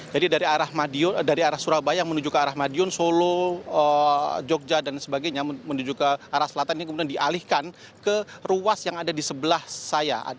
jadi dari arah surabaya menuju ke arah madiun solo jogja dan sebagainya menuju ke arah selatan ini kemudian dialihkan ke ruas yang ada di sebelah saya